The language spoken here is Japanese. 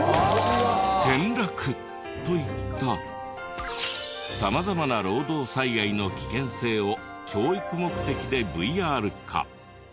「」転落といった様々な労働災害の危険性を教育目的でＶＲ化。